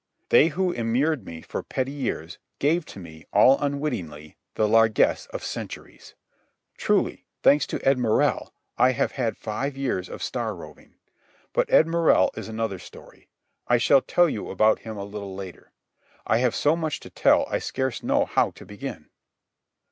They who immured me for petty years gave to me, all unwittingly, the largess of centuries. Truly, thanks to Ed Morrell, I have had five years of star roving. But Ed Morrell is another story. I shall tell you about him a little later. I have so much to tell I scarce know how to begin.